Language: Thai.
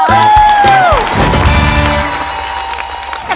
ขอบคุณครับ